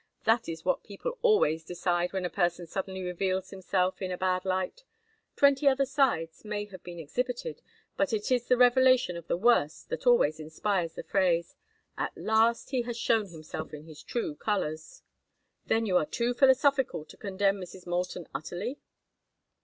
That is what people always decide when a person suddenly reveals himself in a bad light. Twenty other sides may have been exhibited, but it is the revelation of the worst that always inspires the phrase, 'At last he has shown himself in his true colors.'" "Then you are too philosophical to condemn Mrs. Moulton utterly?"